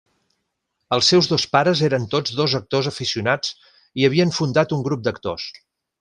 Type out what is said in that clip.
Els seus dos pares eren tots dos actors aficionats i havien fundat un grup d'actors.